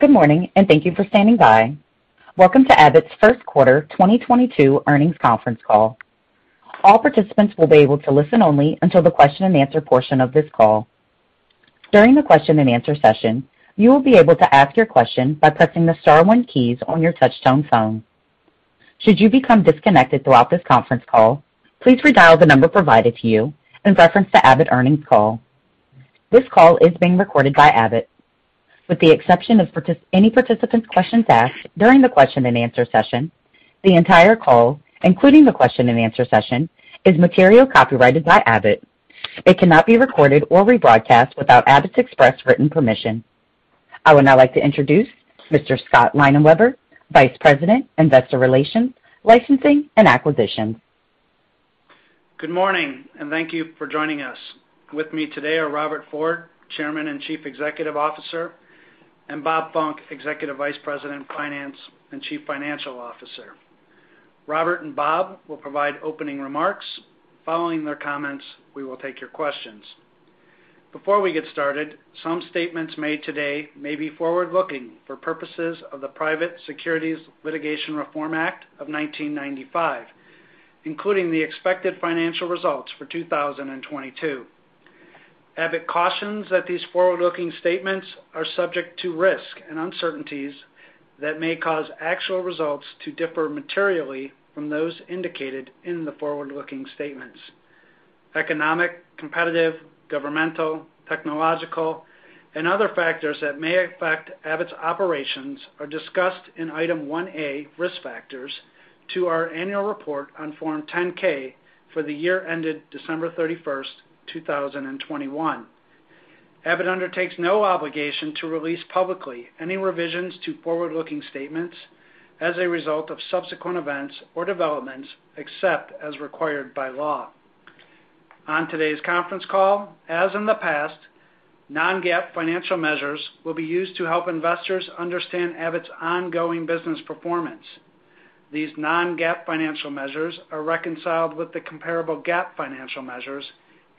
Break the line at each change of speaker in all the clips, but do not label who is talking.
Good morning, and thank you for standing by. Welcome to Abbott's first quarter 2022 earnings conference call. All participants will be able to listen only until the question and answer portion of this call. During the question and answer session, you will be able to ask your question by pressing the star one keys on your touchtone phone. Should you become disconnected throughout this conference call, please redial the number provided to you and reference the Abbott earnings call. This call is being recorded by Abbott. With the exception of any participant's questions asked during the question and answer session, the entire call, including the question and answer session, is material copyrighted by Abbott. It cannot be recorded or rebroadcast without Abbott's express written permission. I would now like to introduce Mr. Scott Leinenweber, Vice President, Investor Relations, Licensing and Acquisitions.
Good morning, and thank you for joining us. With me today are Robert Ford, Chairman and Chief Executive Officer, and Bob Funck, Executive Vice President, Finance and Chief Financial Officer. Robert and Bob will provide opening remarks. Following their comments, we will take your questions. Before we get started, some statements made today may be forward-looking for purposes of the Private Securities Litigation Reform Act of 1995, including the expected financial results for 2022. Abbott cautions that these forward-looking statements are subject to risk and uncertainties that may cause actual results to differ materially from those indicated in the forward-looking statements. Economic, competitive, governmental, technological, and other factors that may affect Abbott's operations are discussed in Item 1A, Risk Factors, to our annual report on Form 10-K for the year ended December 31st, 2021. Abbott undertakes no obligation to release publicly any revisions to forward-looking statements as a result of subsequent events or developments, except as required by law. On today's conference call, as in the past, non-GAAP financial measures will be used to help investors understand Abbott's ongoing business performance. These non-GAAP financial measures are reconciled with the comparable GAAP financial measures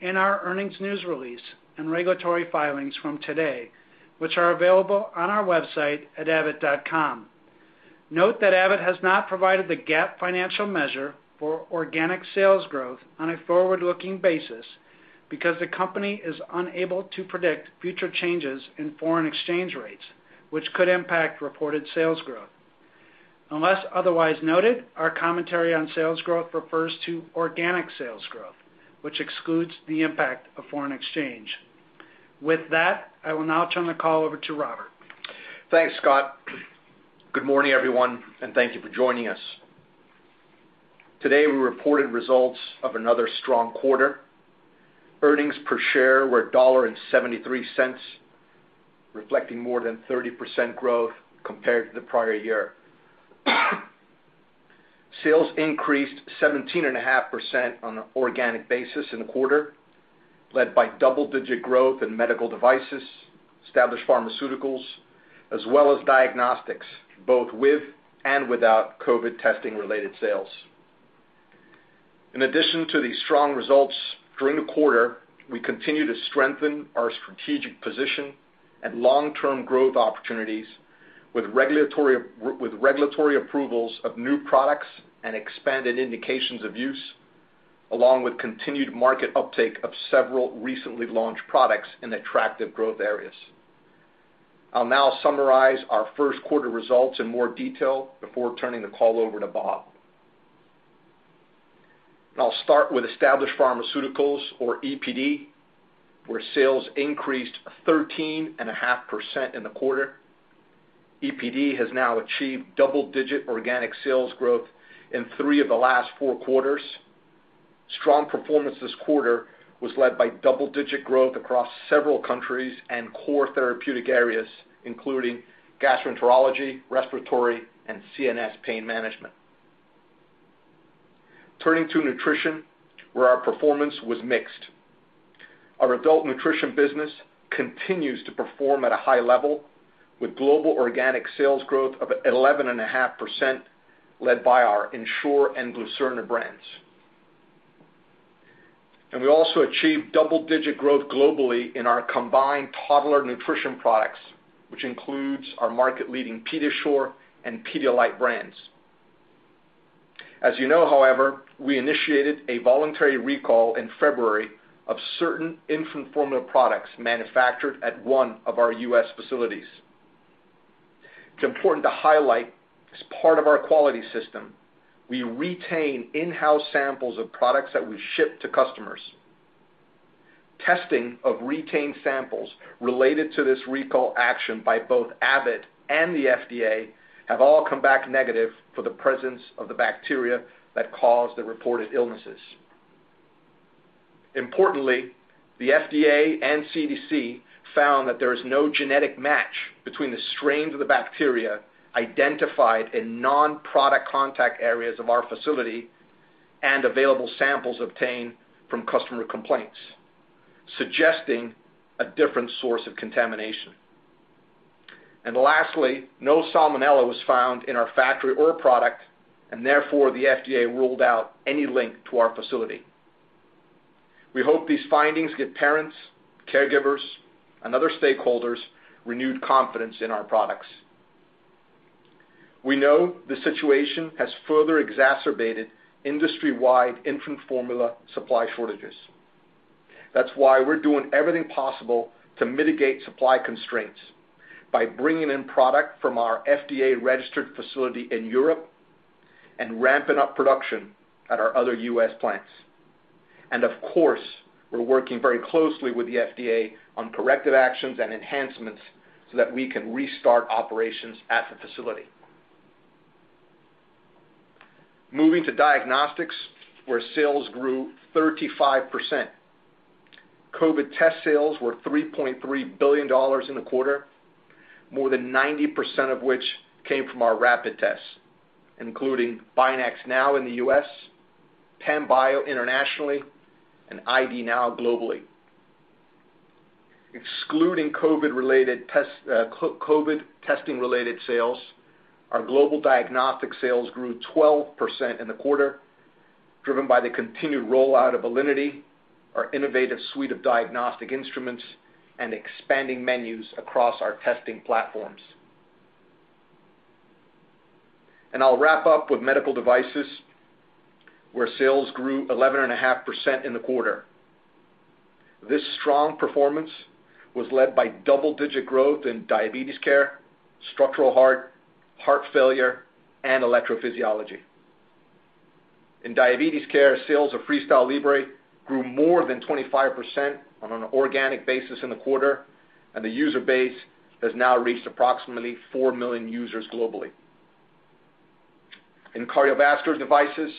in our earnings news release and regulatory filings from today, which are available on our website at abbott.com. Note that Abbott has not provided the GAAP financial measure for organic sales growth on a forward-looking basis because the company is unable to predict future changes in foreign exchange rates, which could impact reported sales growth. Unless otherwise noted, our commentary on sales growth refers to organic sales growth, which excludes the impact of foreign exchange. With that, I will now turn the call over to Robert.
Thanks, Scott. Good morning, everyone, and thank you for joining us. Today, we reported results of another strong quarter. Earnings per share were $0.73, reflecting more than 30% growth compared to the prior year. Sales increased 17.5% on an organic basis in the quarter, led by double-digit growth in Medical Devices, Established Pharmaceuticals, as well as Diagnostics, both with and without COVID testing related sales. In addition to these strong results, during the quarter, we continued to strengthen our strategic position and long-term growth opportunities with regulatory approvals of new products and expanded indications of use, along with continued market uptake of several recently launched products in attractive growth areas. I'll now summarize our first quarter results in more detail before turning the call over to Bob. I'll start with Established Pharmaceuticals or EPD, where sales increased 13.5% in the quarter. EPD has now achieved double-digit organic sales growth in three of the last four quarters. Strong performance this quarter was led by double-digit growth across several countries and core therapeutic areas, including gastroenterology, respiratory, and CNS pain management. Turning to Nutrition, where our performance was mixed. Our Adult Nutrition business continues to perform at a high level with global organic sales growth of 11.5% led by our Ensure and Glucerna brands. We also achieved double-digit growth globally in our combined toddler Nutrition products, which includes our market-leading PediaSure and Pedialyte brands. As you know, however, we initiated a voluntary recall in February of certain infant formula products manufactured at one of our U.S. facilities. It's important to highlight, as part of our quality system, we retain in-house samples of products that we ship to customers. Testing of retained samples related to this recall action by both Abbott and the FDA have all come back negative for the presence of the bacteria that caused the reported illnesses. Importantly, the FDA and CDC found that there is no genetic match between the strains of the bacteria identified in non-product contact areas of our facility and available samples obtained from customer complaints, suggesting a different source of contamination. Lastly, no salmonella was found in our factory or product, and therefore the FDA ruled out any link to our facility. We hope these findings give parents, caregivers, and other stakeholders renewed confidence in our products. We know the situation has further exacerbated industry-wide infant formula supply shortages. That's why we're doing everything possible to mitigate supply constraints by bringing in product from our FDA-registered facility in Europe and ramping up production at our other U.S. plants. Of course, we're working very closely with the FDA on corrective actions and enhancements so that we can restart operations at the facility. Moving to Diagnostics, where sales grew 35%. COVID test sales were $3.3 billion in the quarter, more than 90% of which came from our rapid tests, including BinaxNOW in the U.S., Panbio internationally, and ID NOW globally. Excluding COVID testing-related sales, our global diagnostic sales grew 12% in the quarter, driven by the continued rollout of Alinity, our innovative suite of diagnostic instruments and expanding menus across our testing platforms. I'll wrap up with Medical Devices, where sales grew 11.5% in the quarter. This strong performance was led by double-digit growth in diabetes care, structural heart failure, and electrophysiology. In diabetes care, sales of FreeStyle Libre grew more than 25% on an organic basis in the quarter, and the user base has now reached approximately 4 million users globally. In cardiovascular devices,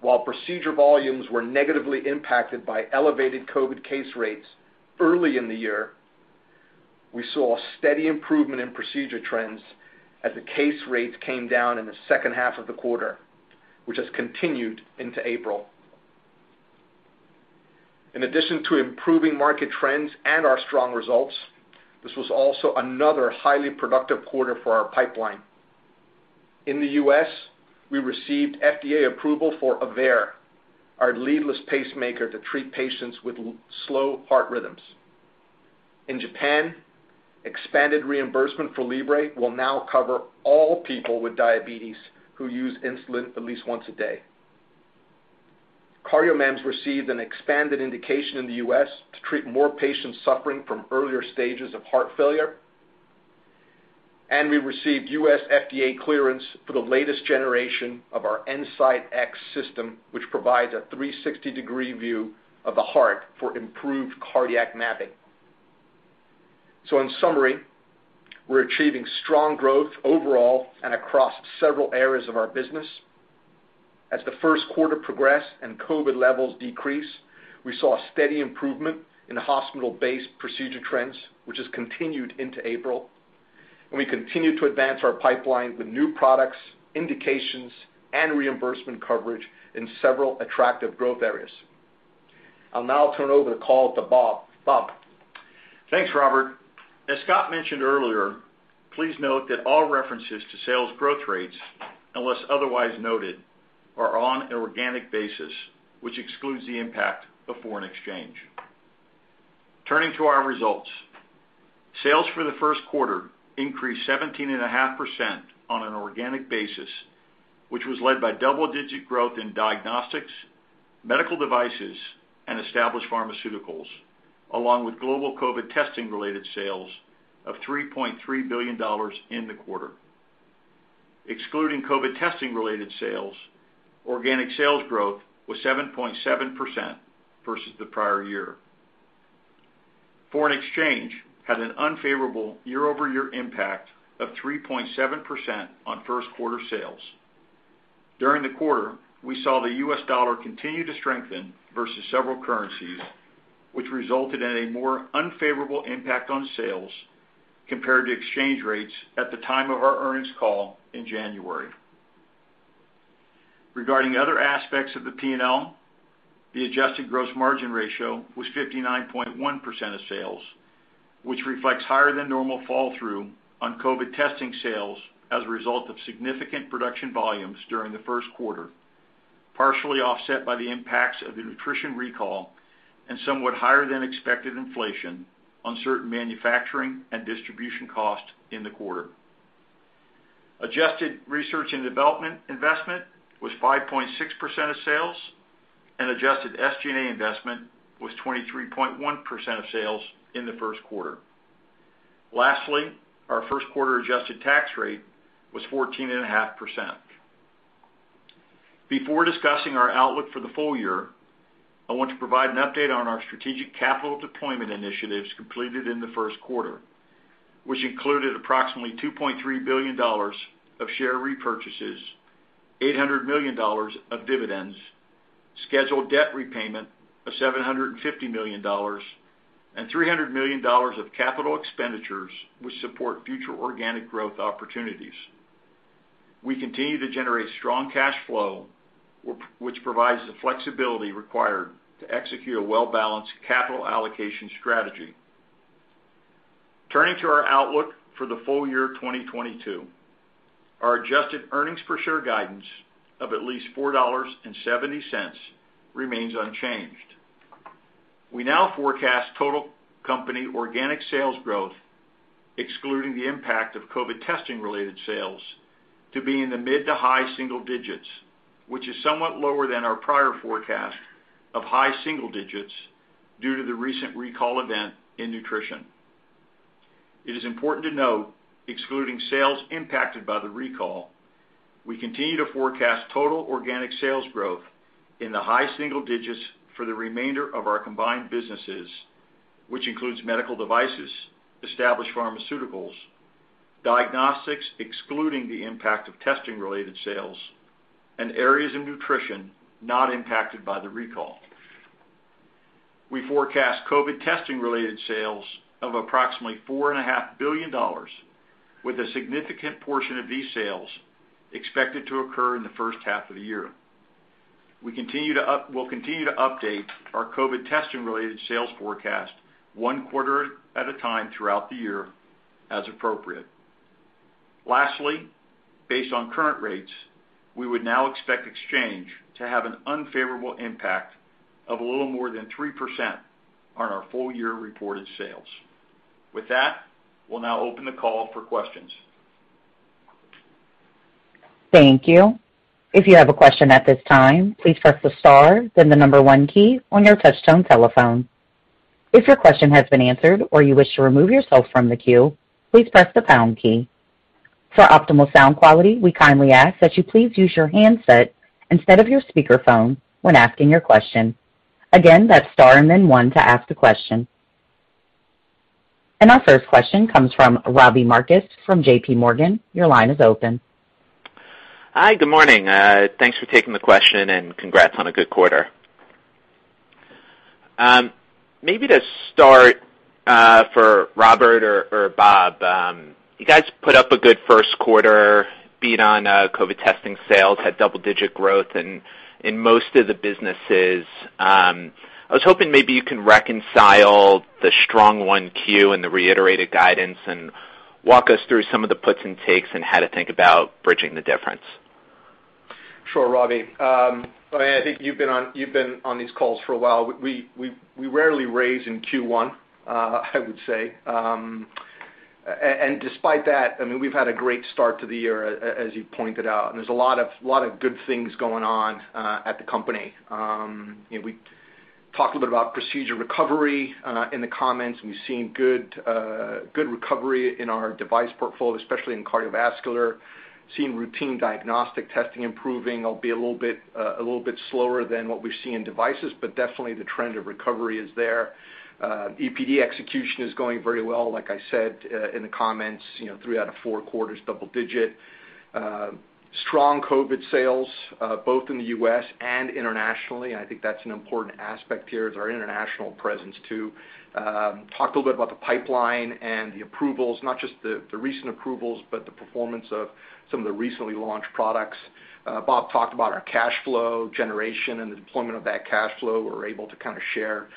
while procedure volumes were negatively impacted by elevated COVID case rates early in the year, we saw a steady improvement in procedure trends as the case rates came down in the second half of the quarter, which has continued into April. In addition to improving market trends and our strong results, this was also another highly productive quarter for our pipeline. In the U.S., we received FDA approval for AVEIR, our leadless pacemaker to treat patients with slow heart rhythms. In Japan, expanded reimbursement for Libre will now cover all people with diabetes who use insulin at least once a day. CardioMEMS received an expanded indication in the U.S. to treat more patients suffering from earlier stages of heart failure. We received U.S. FDA clearance for the latest generation of our EnSite X System, which provides a 360-degree view of the heart for improved cardiac mapping. In summary, we're achieving strong growth overall and across several areas of our business. As the first quarter progressed and COVID levels decreased, we saw a steady improvement in hospital-based procedure trends, which has continued into April. We continued to advance our pipeline with new products, indications, and reimbursement coverage in several attractive growth areas. I'll now turn over the call to Bob. Bob?
Thanks, Robert. As Scott mentioned earlier, please note that all references to sales growth rates, unless otherwise noted, are on an organic basis, which excludes the impact of foreign exchange. Turning to our results. Sales for the first quarter increased 17.5% on an organic basis, which was led by double-digit growth in Diagnostics, Medical Devices, and Established Pharmaceuticals, along with global COVID testing-related sales of $3.3 billion in the quarter. Excluding COVID testing-related sales, organic sales growth was 7.7% versus the prior year. Foreign exchange had an unfavorable year-over-year impact of 3.7% on first quarter sales. During the quarter, we saw the U.S. dollar continue to strengthen versus several currencies, which resulted in a more unfavorable impact on sales compared to exchange rates at the time of our earnings call in January. Regarding other aspects of the P&L, the adjusted gross margin ratio was 59.1% of sales, which reflects higher than normal fall-through on COVID testing sales as a result of significant production volumes during the first quarter, partially offset by the impacts of the Nutrition recall and somewhat higher than expected inflation on certain manufacturing and distribution costs in the quarter. Adjusted research and development investment was 5.6% of sales, and adjusted SG&A investment was 23.1% of sales in the first quarter. Lastly, our first quarter adjusted tax rate was 14.5%. Before discussing our outlook for the full year, I want to provide an update on our strategic capital deployment initiatives completed in the first quarter, which included approximately $2.3 billion of share repurchases, $800 million of dividends, scheduled debt repayment of $750 million, and $300 million of capital expenditures which support future organic growth opportunities. We continue to generate strong cash flow which provides the flexibility required to execute a well-balanced capital allocation strategy. Turning to our outlook for the full year 2022. Our adjusted earnings per share guidance of at least $4.70 remains unchanged. We now forecast total company organic sales growth, excluding the impact of COVID testing related sales, to be in the mid- to high-single digits, which is somewhat lower than our prior forecast of high single digits due to the recent recall event in Nutrition. It is important to note, excluding sales impacted by the recall, we continue to forecast total organic sales growth in the high single digits for the remainder of our combined businesses, which includes Medical Devices, Established Pharmaceuticals, Diagnostics excluding the impact of testing related sales, and areas of Nutrition not impacted by the recall. We forecast COVID testing related sales of approximately $4.5 billion, with a significant portion of these sales expected to occur in the first half of the year. We'll continue to update our COVID testing related sales forecast one quarter at a time throughout the year as appropriate. Lastly, based on current rates, we would now expect exchange to have an unfavorable impact of a little more than 3% on our full year reported sales. With that, we'll now open the call for questions.
Thank you. If you have a question at this time, please press the star, then the number one key on your touch tone telephone. If your question has been answered or you wish to remove yourself from the queue, please press the pound key. For optimal sound quality, we kindly ask that you please use your handset instead of your speakerphone when asking your question. Again, that's star and then one to ask a question. Our first question comes from Robbie Marcus from JPMorgan. Your line is open.
Hi, good morning. Thanks for taking the question and congrats on a good quarter. Maybe to start, for Robert or Bob, you guys put up a good first quarter beat on COVID testing sales, had double-digit growth in most of the businesses. I was hoping maybe you can reconcile the strong Q1 and the reiterated guidance and walk us through some of the puts and takes and how to think about bridging the difference.
Sure, Robbie. I mean, I think you've been on these calls for a while. We rarely raise in Q1, I would say. And despite that, I mean, we've had a great start to the year, as you pointed out, and there's a lot of good things going on at the company. You know, we talked a bit about procedure recovery in the comments. We've seen good recovery in our device portfolio, especially in cardiovascular. We're seeing routine diagnostic testing improving, albeit a little bit slower than what we've seen in devices, but definitely the trend of recovery is there. EPD execution is going very well, like I said, in the comments, you know, three out of four quarters, double digit. Strong COVID sales both in the U.S. and internationally. I think that's an important aspect here is our international presence too. Talked a little bit about the pipeline and the approvals, not just the recent approvals, but the performance of some of the recently launched products. Bob talked about our cash flow generation and the deployment of that cash flow. We're able to kind of share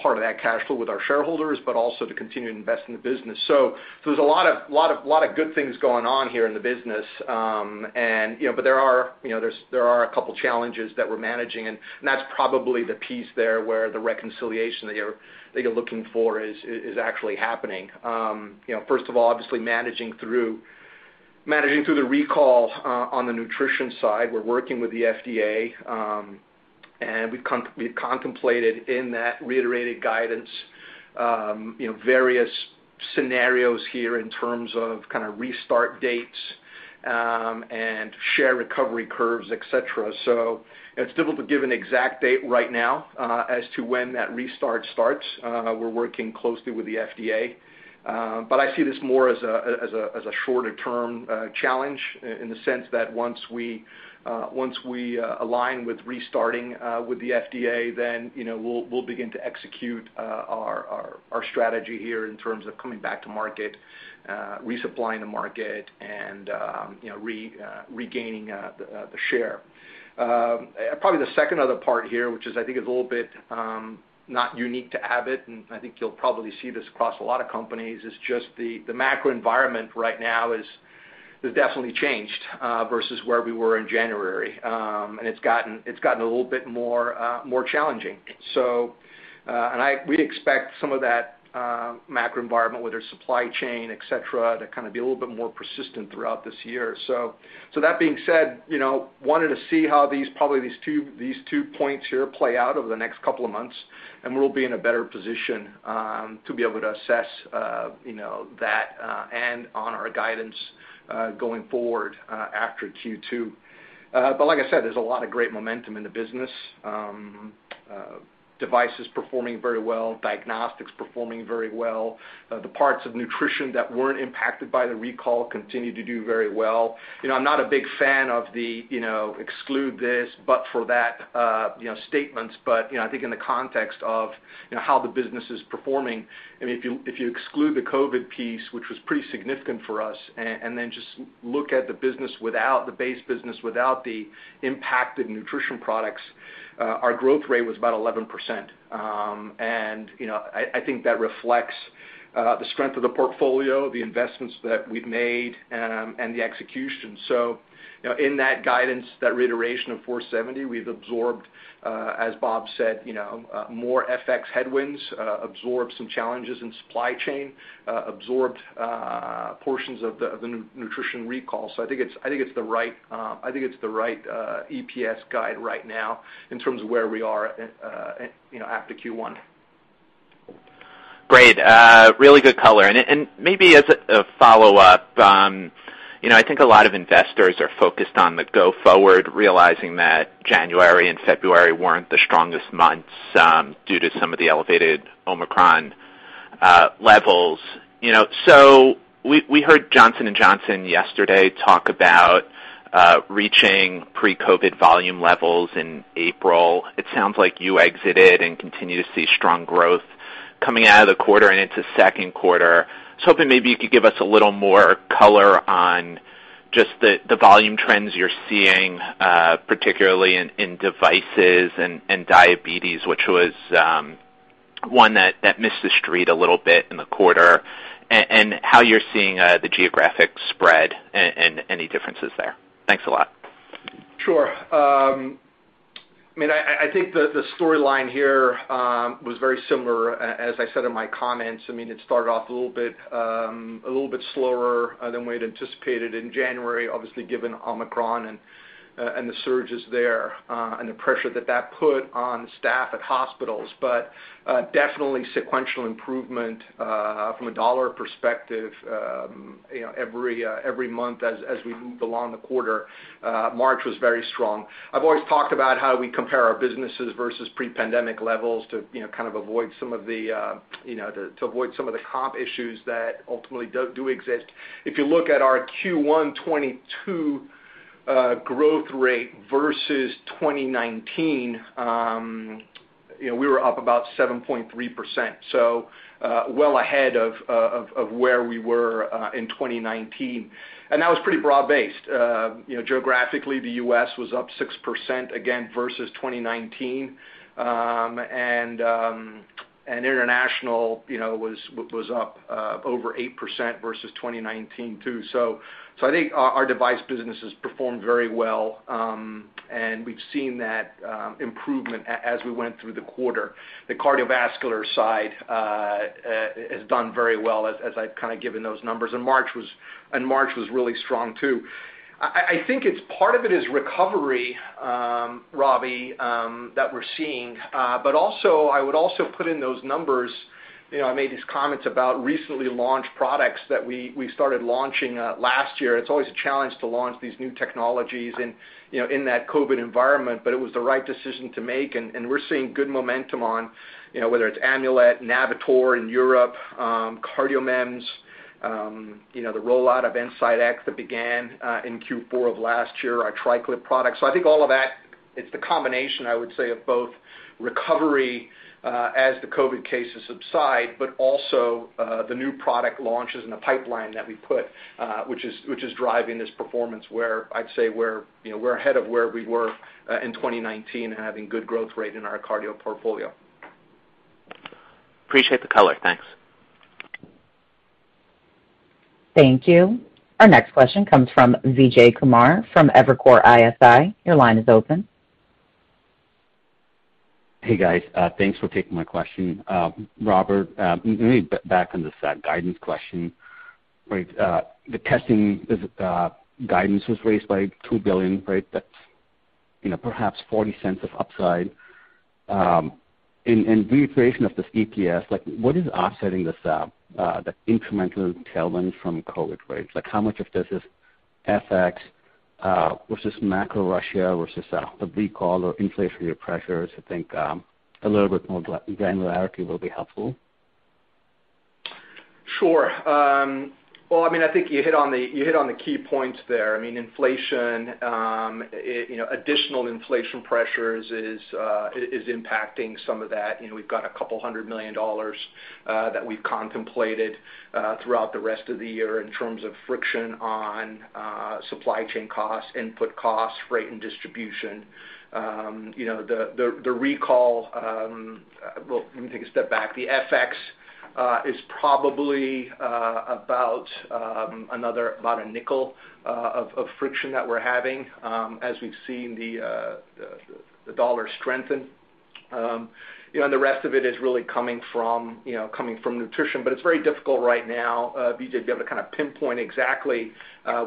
part of that cash flow with our shareholders, but also to continue to invest in the business. There's a lot of good things going on here in the business, and you know, but there are a couple challenges that we're managing, and that's probably the piece there where the reconciliation that you're looking for is actually happening. You know, first of all, obviously managing through the recall on the Nutrition side. We're working with the FDA, and we've contemplated in that reiterated guidance, you know, various scenarios here in terms of kind of restart dates and share recovery curves, et cetera. It's difficult to give an exact date right now as to when that restart starts. We're working closely with the FDA. I see this more as a shorter term challenge in the sense that once we align with restarting with the FDA, then, you know, we'll begin to execute our strategy here in terms of coming back to market, resupplying the market and, you know, regaining the share. Probably the second other part here, which I think is a little bit not unique to Abbott, and I think you'll probably see this across a lot of companies, is just the macro environment right now has definitely changed versus where we were in January. It's gotten a little bit more challenging. We expect some of that macro environment, whether it's supply chain, et cetera, to kind of be a little bit more persistent throughout this year. That being said, you know, we wanted to see how these two points here play out over the next couple of months, and we'll be in a better position to be able to assess, you know, that and on our guidance going forward after Q2. Like I said, there's a lot of great momentum in the business. Devices performing very well, Diagnostics performing very well. The parts of Nutrition that weren't impacted by the recall continue to do very well. You know, I'm not a big fan of the, you know, exclude this, but for that, you know, statements. You know, I think in the context of, you know, how the business is performing, I mean, if you exclude the COVID piece, which was pretty significant for us, and then just look at the business without the base business, without the impacted Nutrition products, our growth rate was about 11%. You know, I think that reflects the strength of the portfolio, the investments that we've made, and the execution. You know, in that guidance, that reiteration of $4.70, we've absorbed, as Bob said, you know, more FX headwinds, absorbed some challenges in supply chain, absorbed portions of the Nutrition recall. I think it's the right EPS guide right now in terms of where we are, you know, after Q1.
Great. Really good color. Maybe as a follow-up, you know, I think a lot of investors are focused on the going forward, realizing that January and February weren't the strongest months, due to some of the elevated Omicron levels, you know. We heard Johnson & Johnson yesterday talk about reaching pre-COVID volume levels in April. It sounds like you exited and continue to see strong growth coming out of the quarter and into second quarter. I was hoping maybe you could give us a little more color on just the volume trends you're seeing, particularly in devices and diabetes, which was one that missed the street a little bit in the quarter, and how you're seeing the geographic spread and any differences there. Thanks a lot.
Sure. I mean, I think the storyline here was very similar. As I said in my comments, I mean, it started off a little bit slower than we had anticipated in January, obviously given Omicron and the surges there and the pressure that that put on staff at hospitals. Definitely sequential improvement from a dollar perspective, you know, every month as we moved along the quarter. March was very strong. I've always talked about how we compare our businesses versus pre-pandemic levels to, you know, kind of avoid some of the comp issues that ultimately do exist. If you look at our Q1 2022 growth rate versus 2019, you know, we were up about 7.3%. Well ahead of where we were in 2019. That was pretty broad-based. You know, geographically, the U.S. was up 6%, again versus 2019. International, you know, was up over 8% versus 2019 too. I think our device business has performed very well, and we've seen that improvement as we went through the quarter. The cardiovascular side has done very well as I've kind of given those numbers, and March was really strong too. I think part of it is recovery, Robbie, that we're seeing. But also I would put in those numbers, you know. I made these comments about recently launched products that we started launching last year. It's always a challenge to launch these new technologies in, you know, in that COVID environment, but it was the right decision to make, and we're seeing good momentum on, you know, whether it's Amulet, Navitor in Europe, CardioMEMS, you know, the rollout of EnSite X that began in Q4 of last year, our TriClip product. I think all of that, it's the combination, I would say, of both recovery as the COVID cases subside, but also the new product launches and the pipeline that we put, which is driving this performance where I'd say we're, you know, we're ahead of where we were in 2019 and having good growth rate in our cardio portfolio.
Appreciate the color. Thanks.
Thank you. Our next question comes from Vijay Kumar from Evercore ISI. Your line is open.
Hey, guys. Thanks for taking my question. Robert, let me back on this guidance question. Right, the testing guidance was raised by $2 billion, right? That's, you know, perhaps $0.40 of upside. In reiteration of this EPS, like, what is offsetting this, the incremental tailwinds from COVID rates? Like, how much of this is FX versus macro Russia versus the recall or inflationary pressures? I think a little bit more granularity will be helpful.
Sure. Well, I mean, I think you hit on the key points there. I mean, inflation, it, you know, additional inflation pressures is impacting some of that. You know, we've got $200 million that we've contemplated throughout the rest of the year in terms of friction on supply chain costs, input costs, freight and distribution. Well, let me take a step back. The FX is probably about a nickel of friction that we're having as we've seen the dollar strengthen. You know, the rest of it is really coming from Nutrition. It's very difficult right now, Vijay, to be able to kind of pinpoint exactly.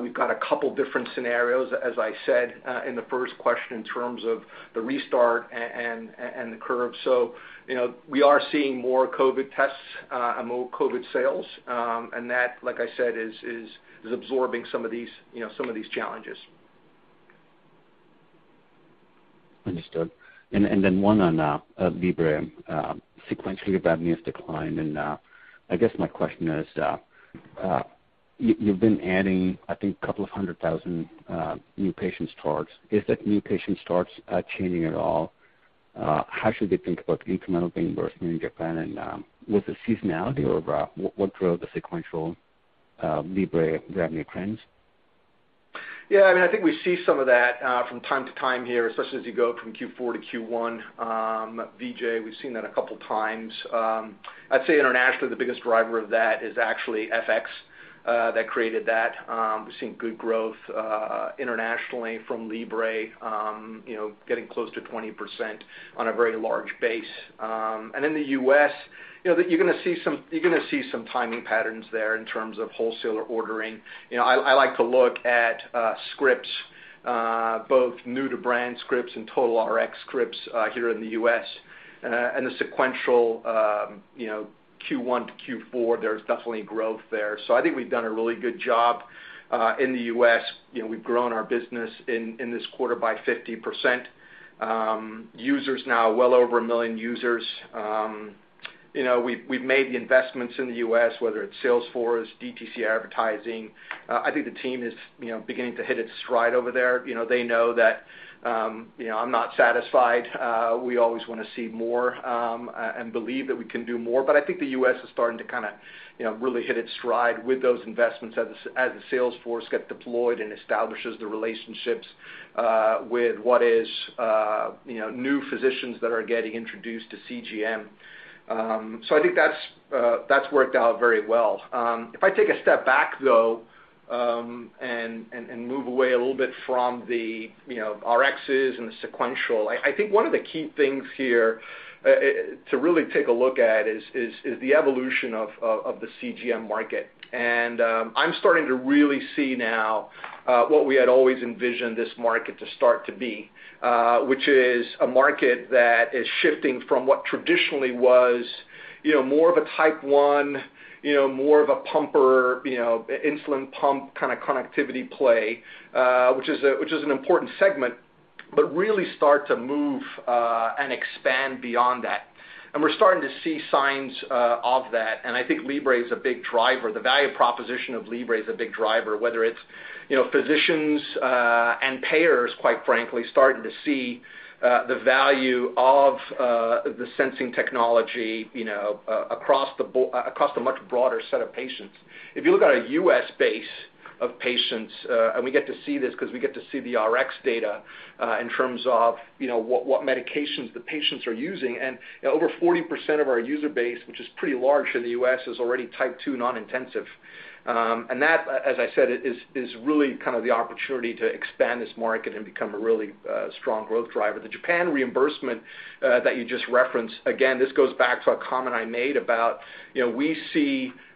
We've got a couple different scenarios, as I said, in the first question in terms of the restart and the curve. You know, we are seeing more COVID tests and more COVID sales, and that, like I said, is absorbing some of these, you know, some of these challenges.
Understood. One on Libre. Sequential revenue has declined. I guess my question is, you've been adding, I think, 200,000 new patient starts. Is that new patient starts changing at all? How should we think about the incremental reimbursement in Japan? Was it seasonality or what drove the sequential Libre revenue trends?
Yeah, I mean, I think we see some of that, from time to time here, especially as you go from Q4 to Q1, Vijay. We've seen that a couple times. I'd say internationally, the biggest driver of that is actually FX, that created that. We've seen good growth, internationally from Libre, you know, getting close to 20% on a very large base. And in the U.S., you know, you're gonna see some timing patterns there in terms of wholesaler ordering. You know, I like to look at, scripts, both new-to-brand scripts and total Rx scripts, here in the U.S. The sequential, you know, Q1 to Q4, there's definitely growth there. I think we've done a really good job, in the U.S. You know, we've grown our business in this quarter by 50%. Users now, well over 1 million users. You know, we've made the investments in the U.S., whether it's sales force, DTC advertising. I think the team is, you know, beginning to hit its stride over there. You know, they know that, you know, I'm not satisfied. We always wanna see more, and believe that we can do more. I think the U.S. is starting to kinda, you know, really hit its stride with those investments as the sales force gets deployed and establishes the relationships, with what is, you know, new physicians that are getting introduced to CGM. I think that's worked out very well. If I take a step back, though, and move away a little bit from the, you know, Rx's and the sequential, I think one of the key things here to really take a look at is the evolution of the CGM market. I'm starting to really see now what we had always envisioned this market to start to be, which is a market that is shifting from what traditionally was, you know, more of a Type 1, you know, more of a pumper, you know, insulin pump kind of connectivity play, which is an important segment, but really start to move and expand beyond that. We're starting to see signs of that, and I think Libre is a big driver. The value proposition of Libre is a big driver, whether it's, you know, physicians and payers, quite frankly, starting to see the value of the sensing technology, you know, across a much broader set of patients. If you look at a U.S. base of patients, and we get to see this 'cause we get to see the Rx data in terms of, you know, what medications the patients are using. You know, over 40% of our user base, which is pretty large in the U.S., is already Type 2 non-intensive. And that, as I said, is really kind of the opportunity to expand this market and become a really strong growth driver. The Japan reimbursement that you just referenced, again, this goes back to a comment I made about, you know, we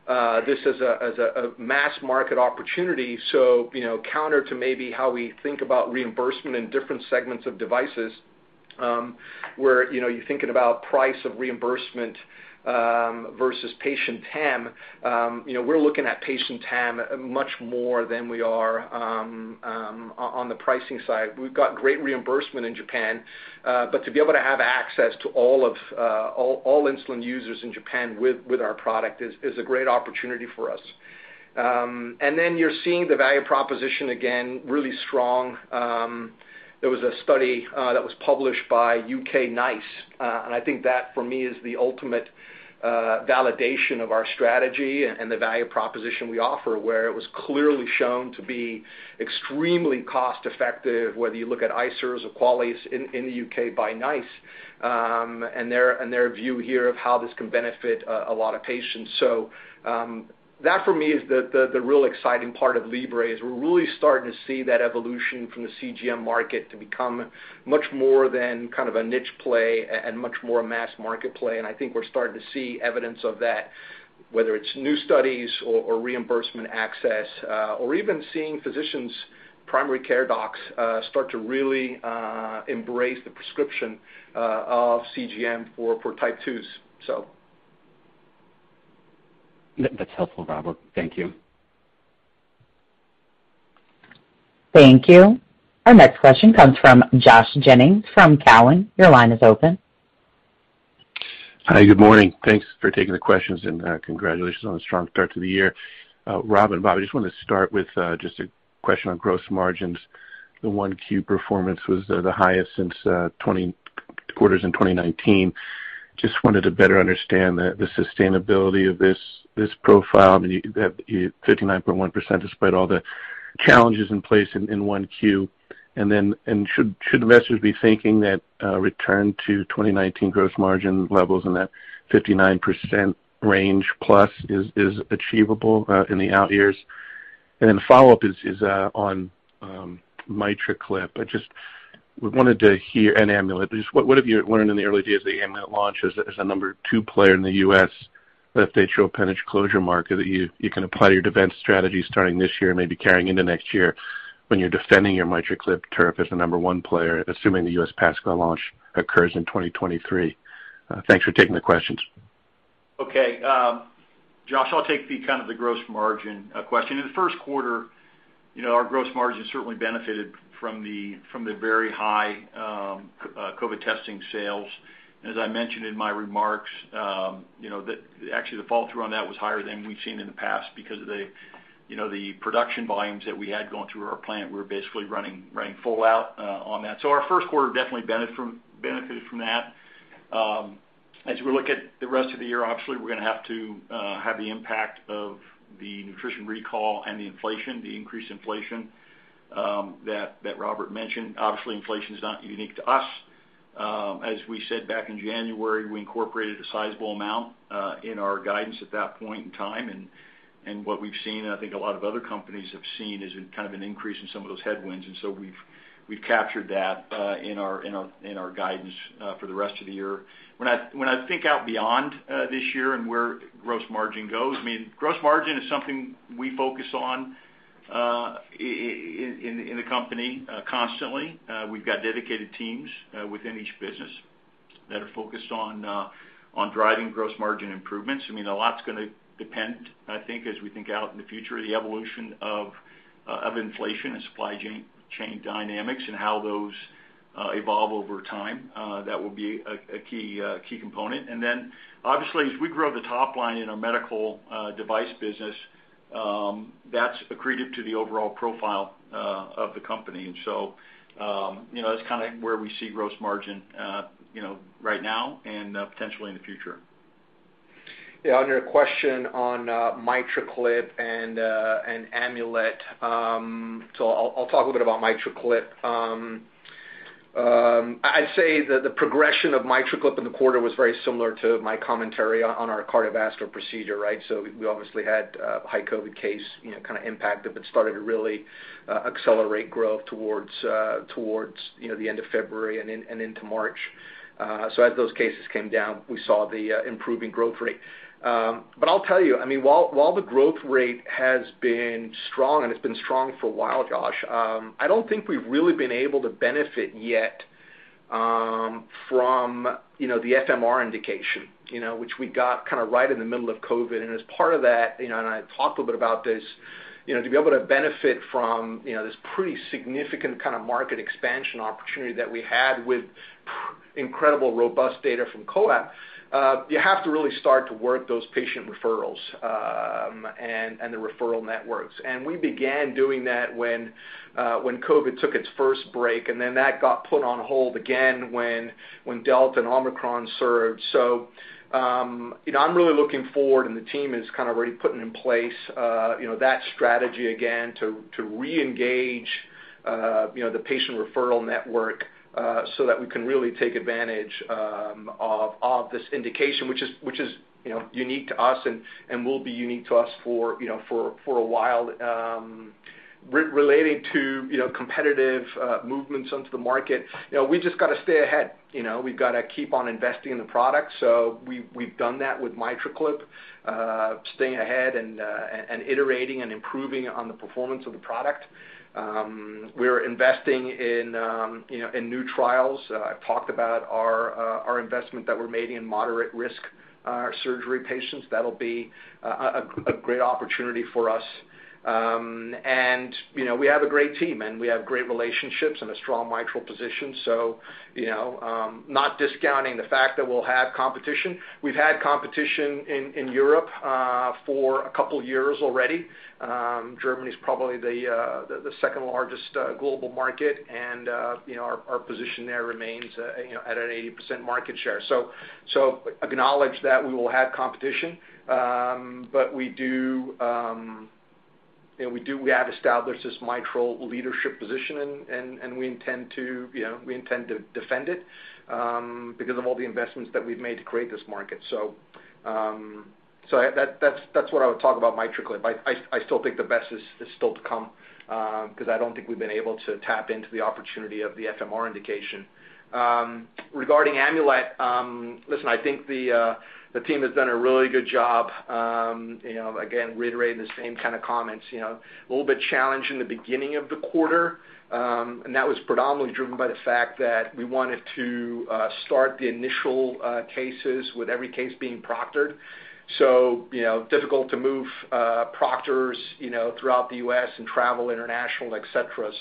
see this as a mass market opportunity. You know, counter to maybe how we think about reimbursement in different segments of devices, where, you know, you're thinking about price or reimbursement versus patient TAM. You know, we're looking at patient TAM much more than we are on the pricing side. We've got great reimbursement in Japan, but to be able to have access to all insulin users in Japan with our product is a great opportunity for us. Then you're seeing the value proposition again, really strong. There was a study that was published by U.K. NICE, and I think that, for me, is the ultimate validation of our strategy and the value proposition we offer, where it was clearly shown to be extremely cost-effective, whether you look at ICERs or QALYs in the U.K. by NICE, and their view here of how this can benefit a lot of patients. That for me is the real exciting part of Libre, is we're really starting to see that evolution from the CGM market to become much more than kind of a niche play and much more a mass market play. I think we're starting to see evidence of that, whether it's new studies or reimbursement access, or even seeing physicians' primary care docs start to really embrace the prescription of CGM for Type 2s, so.
That's helpful, Robert. Thank you.
Thank you. Our next question comes from Josh Jennings from Cowen. Your line is open.
Hi. Good morning. Thanks for taking the questions, and congratulations on the strong start to the year. Rob and Bob, I just wanted to start with just a question on gross margins. The Q1 performance was the highest since 20 quarters in 2019. Just wanted to better understand the sustainability of this profile. I mean, 59.1% despite all the challenges in place in Q1. Should investors be thinking that return to 2019 gross margin levels in that 59% range plus is achievable in the out years? The follow-up is on MitraClip and Amulet. Just what have you learned in the early days of the Amulet launch as the number two player in the U.S. left atrial appendage closure market that you can apply to your defense strategy starting this year, maybe carrying into next year when you're defending your MitraClip turf as the number one player, assuming the U.S. PASCAL launch occurs in 2023? Thanks for taking the questions.
Okay. Josh, I'll take the kind of the gross margin question. In the first quarter, you know, our gross margin certainly benefited from the very high COVID testing sales. As I mentioned in my remarks, you know, actually, the flow-through on that was higher than we've seen in the past because of the production volumes that we had going through our plant. We were basically running full out on that. Our first quarter definitely benefited from that. As we look at the rest of the year, obviously, we're gonna have the impact of the Nutrition recall and the increased inflation that Robert mentioned. Obviously, inflation is not unique to us. As we said back in January, we incorporated a sizable amount in our guidance at that point in time, and what we've seen, and I think a lot of other companies have seen, is kind of an increase in some of those headwinds. We've captured that in our guidance for the rest of the year. When I think out beyond this year and where gross margin goes, I mean, gross margin is something we focus on in the company constantly. We've got dedicated teams within each business that are focused on driving gross margin improvements. I mean, a lot's gonna depend, I think, as we think out in the future, the evolution of inflation and supply chain dynamics and how those evolve over time. That will be a key component. Obviously, as we grow the top line in our medical device business, that's accretive to the overall profile of the company. You know, that's kind of where we see gross margin, you know, right now and potentially in the future.
Yeah, on your question on MitraClip and Amulet, so I'll talk a bit about MitraClip. I'd say that the progression of MitraClip in the quarter was very similar to my commentary on our cardiovascular procedure, right? We obviously had high COVID cases, you know, kind of impacted it, but started to really accelerate growth towards, you know, the end of February and into March. As those cases came down, we saw the improving growth rate. I'll tell you, I mean, while the growth rate has been strong, and it's been strong for a while, Josh, I don't think we've really been able to benefit yet from, you know, the FMR indication, you know, which we got kind of right in the middle of COVID. As part of that, you know, and I talked a little bit about this, you know, to be able to benefit from, you know, this pretty significant kind of market expansion opportunity that we had with incredible robust data from COAPT, you have to really start to work those patient referrals, and the referral networks. We began doing that when COVID took its first break, and then that got put on hold again when Delta and Omicron surged. I'm really looking forward, and the team is kind of already putting in place, you know, that strategy again to reengage, you know, the patient referral network, so that we can really take advantage of this indication, which is, you know, unique to us and will be unique to us for, you know, for a while. Relating to, you know, competitive movements into the market, you know, we just got to stay ahead. You know, we've got to keep on investing in the product. We've done that with MitraClip, staying ahead and iterating and improving on the performance of the product. We're investing in, you know, in new trials. I've talked about our investment that we're making in moderate risk surgery patients. That'll be a great opportunity for us. You know, we have a great team, and we have great relationships and a strong mitral position. You know, not discounting the fact that we'll have competition. We've had competition in Europe for a couple years already. Germany is probably the second-largest global market, and you know, our position there remains you know, at an 80% market share. Acknowledge that we will have competition, but we do you know, we have established this mitral leadership position, and we intend to you know, we intend to defend it, because of all the investments that we've made to create this market. That's what I would talk about MitraClip. I still think the best is still to come because I don't think we've been able to tap into the opportunity of the FMR indication. Regarding Amulet, listen, I think the team has done a really good job, you know, again, reiterating the same kind of comments, you know. A little bit challenged in the beginning of the quarter, and that was predominantly driven by the fact that we wanted to start the initial cases with every case being proctored, you know, difficult to move proctors, you know, throughout the U.S. and travel international, et cetera,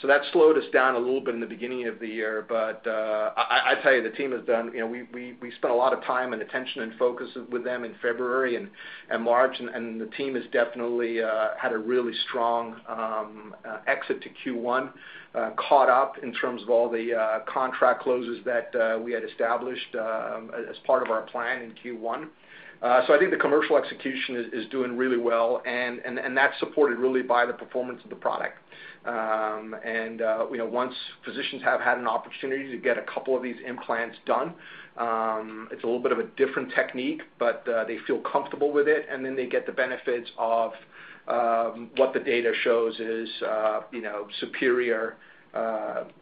so that slowed us down a little bit in the beginning of the year. I tell you the team has done You know, we spent a lot of time and attention and focus with them in February and March, and the team has definitely had a really strong exit to Q1, caught up in terms of all the contract closes that we had established as part of our plan in Q1. I think the commercial execution is doing really well and that's supported really by the performance of the product. You know, once physicians have had an opportunity to get a couple of these implants done, it's a little bit of a different technique, but they feel comfortable with it, and then they get the benefits of what the data shows is you know, superior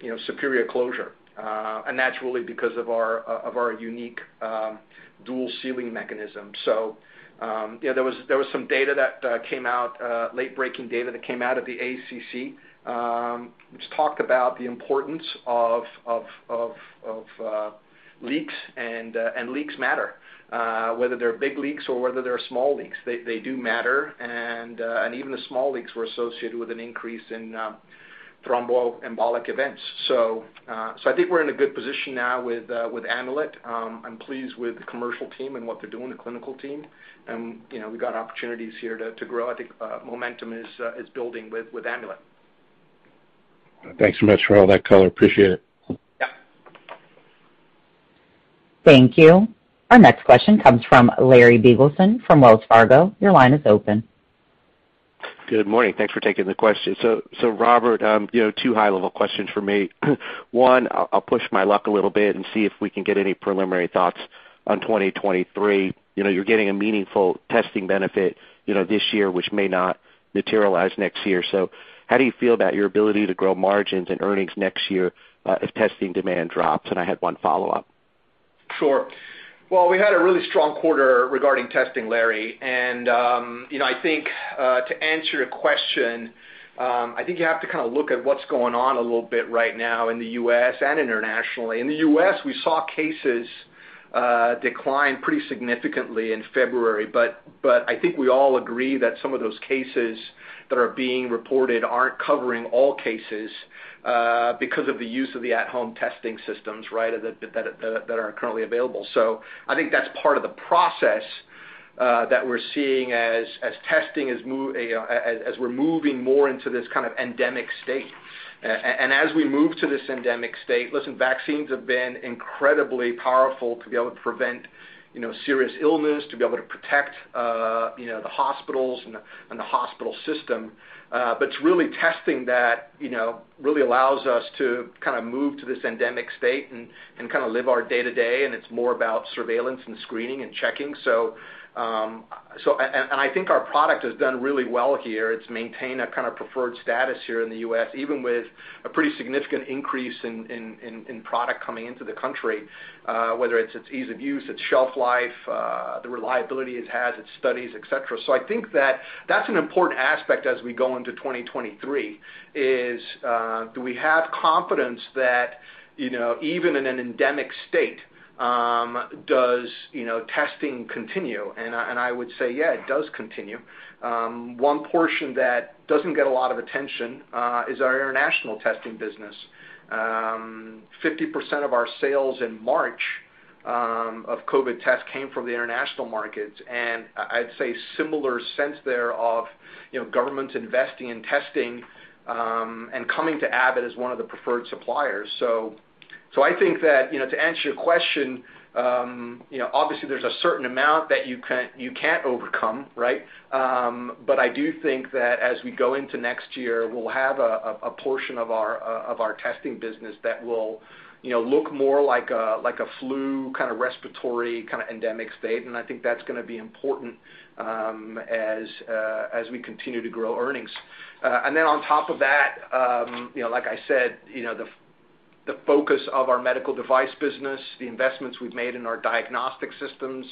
you know, superior closure, and naturally because of our unique dual sealing mechanism. Yeah, there was some data that came out, late-breaking data that came out of the ACC, which talked about the importance of leaks, and leaks matter. Whether they're big leaks or whether they're small leaks, they do matter. Even the small leaks were associated with an increase in thromboembolic events. I think we're in a good position now with Amulet. I'm pleased with the commercial team and what they're doing, the clinical team. You know, we've got opportunities here to grow. I think momentum is building with Amulet.
Thanks so much for all that color. Appreciate it.
Yeah.
Thank you. Our next question comes from Larry Biegelsen from Wells Fargo. Your line is open.
Good morning. Thanks for taking the question. Robert, you know, two high-level questions for me. One, I'll push my luck a little bit and see if we can get any preliminary thoughts on 2023. You know, you're getting a meaningful testing benefit, you know, this year, which may not materialize next year. How do you feel about your ability to grow margins and earnings next year, if testing demand drops? I had one follow-up.
Sure. Well, we had a really strong quarter regarding testing, Larry. You know, I think to answer your question, I think you have to kind of look at what's going on a little bit right now in the U.S. and internationally. In the U.S., we saw cases decline pretty significantly in February, but I think we all agree that some of those cases that are being reported aren't covering all cases because of the use of the at home testing systems, right? That are currently available. I think that's part of the process that we're seeing as we're moving more into this kind of endemic state. As we move to this endemic state, listen, vaccines have been incredibly powerful to be able to prevent, you know, serious illness, to be able to protect, you know, the hospitals and the hospital system. It's really testing that, you know, really allows us to kind of move to this endemic state and kind of live our day-to-day, and it's more about surveillance and screening and checking. I think our product has done really well here. It's maintained a kind of preferred status here in the U.S., even with a pretty significant increase in product coming into the country, whether it's ease of use, its shelf life, the reliability it has, its studies, et cetera. I think that that's an important aspect as we go into 2023, is, do we have confidence that, you know, even in an endemic state, does, you know, testing continue? I would say, yeah, it does continue. One portion that doesn't get a lot of attention is our international testing business. 50% of our sales in March of COVID tests came from the international markets, and I'd say similar sense thereof, you know, governments investing in testing and coming to Abbott as one of the preferred suppliers. I think that, you know, to answer your question, you know, obviously there's a certain amount that you can't overcome, right? I do think that as we go into next year, we'll have a portion of our testing business that will, you know, look more like a flu kind of respiratory kind of endemic state. I think that's gonna be important as we continue to grow earnings. On top of that, you know, like I said, you know, the focus of our medical device business, the investments we've made in our diagnostic systems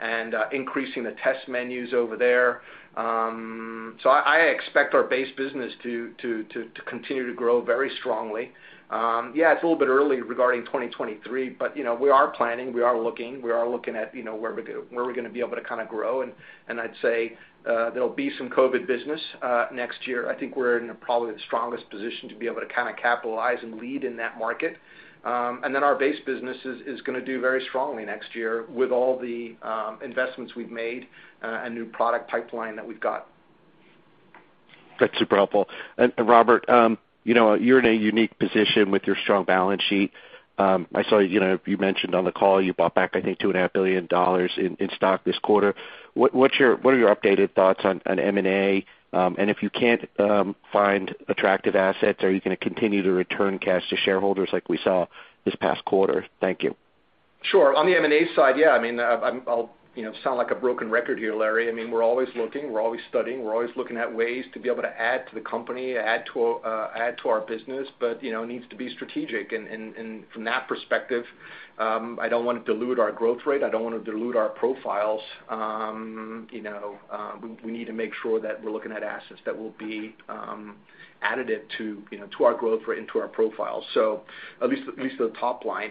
and increasing the test menus over there. I expect our base business to continue to grow very strongly. Yeah, it's a little bit early regarding 2023, but you know, we are planning, we are looking at you know, where we're gonna be able to kind of grow. I'd say there'll be some COVID business next year. I think we're in probably the strongest position to be able to kind of capitalize and lead in that market. Then our base business is gonna do very strongly next year with all the investments we've made and new product pipeline that we've got.
That's super helpful. Robert, you know, you're in a unique position with your strong balance sheet. I saw, you know, you mentioned on the call you bought back, I think, $2.5 billion in stock this quarter. What are your updated thoughts on M&A? If you can't find attractive assets, are you gonna continue to return cash to shareholders like we saw this past quarter? Thank you.
Sure. On the M&A side, yeah, I mean, I'll, you know, sound like a broken record here, Larry. I mean, we're always looking, we're always studying, we're always looking at ways to be able to add to the company, add to our business. It needs to be strategic. From that perspective, I don't wanna dilute our growth rate, I don't wanna dilute our profiles. You know, we need to make sure that we're looking at assets that will be additive to our growth rate and to our profile. At least to the top line.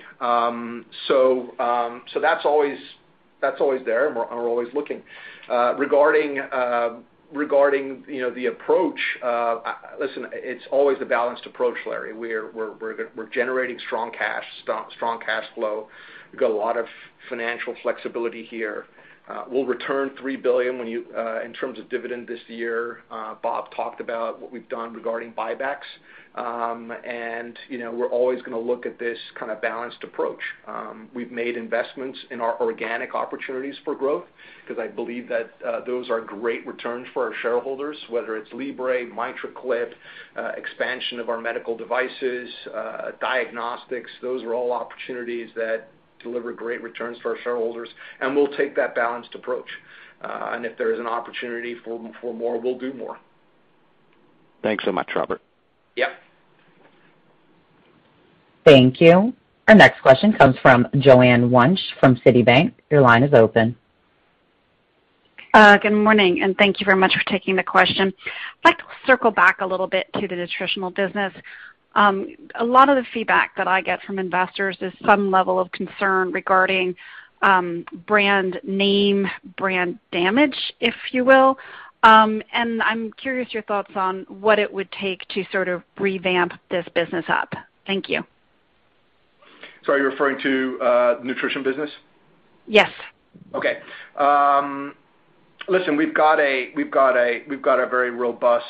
That's always there, and we're always looking. Regarding the approach, listen, it's always a balanced approach, Larry. We're generating strong cash flow. We've got a lot of financial flexibility here. We'll return $3 billion in terms of dividend this year. Bob talked about what we've done regarding buybacks. You know, we're always gonna look at this kind of balanced approach. We've made investments in our organic opportunities for growth, 'cause I believe that those are great returns for our shareholders, whether it's Libre, MitraClip, expansion of our Medical Devices, Diagnostics. Those are all opportunities that deliver great returns for our shareholders, and we'll take that balanced approach. If there is an opportunity for more, we'll do more.
Thanks so much, Robert.
Yep.
Thank you. Our next question comes from Joanne Wuensch from Citibank. Your line is open.
Good morning, and thank you very much for taking the question. I'd like to circle back a little bit to the Nutritional business. A lot of the feedback that I get from investors is some level of concern regarding brand name, brand damage, if you will. I'm curious your thoughts on what it would take to sort of revamp this business up. Thank you.
Sorry, you're referring to Nutrition business?
Yes.
Okay. Listen, we've got a very robust